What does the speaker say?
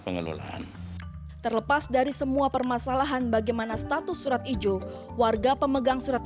pengelolaan terlepas dari semua permasalahan bagaimana status surat ijo warga pemegang surat